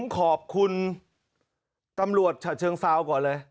ขอบคุณตำรวจฉะเชิงเซาก่อนเลย